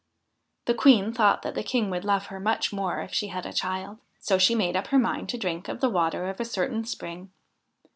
The Queen thought that the King would love her much more if she had a child. So she made up her mind to drink of the water of a certain spring.